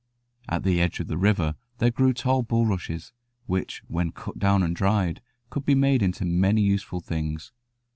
At the edge of the river there grew tall bulrushes, which, when cut down and dried, could be made into many useful things.